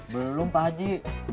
belum pak haji